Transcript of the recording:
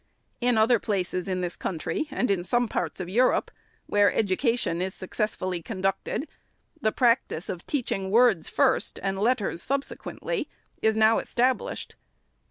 In other places in this coun try, and in some parts of Europe, where education is suc cessfully conducted, the practice of teaching words first, and letters subsequently, is now established.